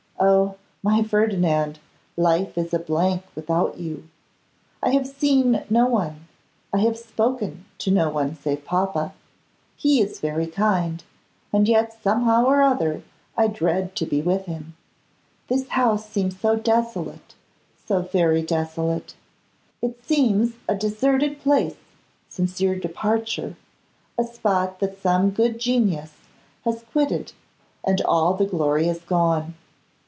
Oh! my Ferdinand, life is a blank without you. I have seen no one, I have spoken to no one, save papa. He is very kind, and yet somehow or other I dread to be with him. This house seems so desolate, so very desolate. It seems a deserted place since your departure, a spot that some good genius has quitted, and all the glory has gone.